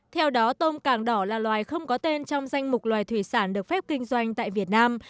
theo đó tôm càng đỏ là loài không có tên trong danh mục loài thủy sản được phép kinh doanh tại việt nam